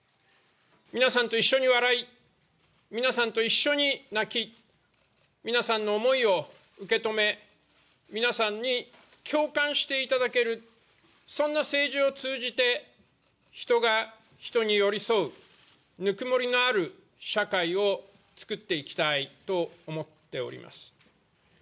皆さんと一緒に笑い、皆さんと一緒に泣き、皆さんの思いを受け止め、皆さんに共感していただける、そんな政治を通じて、人が人に寄り添うぬくもりのある社会を作っていきたいと思っております。